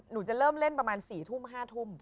หนูจะเริ่มเล่นประมาณ๔ทุ่ม๕ทุ่ม